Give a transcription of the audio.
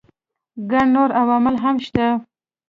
ګڼ نور عوامل هم شته.